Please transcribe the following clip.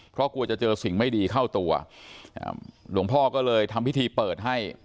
เพราะกลัวจะเจอสิ่งไม่ดีเข้าตัวหลวงพ่อก็เลยทำพิธีเปิดให้